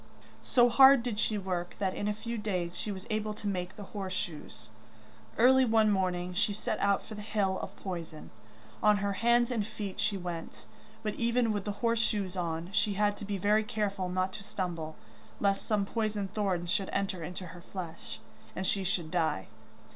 So hard did she work, that in a few days she was able to make the horse shoes. Early one morning she set out for the hill of poison. On her hands and feet she went, but even with the horse shoes on she had to be very careful not to stumble, lest some poisoned thorns should enter into her flesh, and she should die.